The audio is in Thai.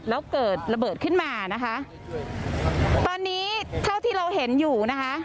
แล้วเกิดระเบิดขึ้นมานะคะตอนนี้เท่าที่เราเห็นอยู่นะคะ